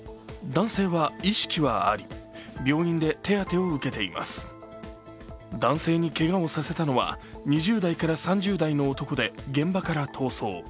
男性にけがをさせたのは２０代から３０代の男で現場から逃走。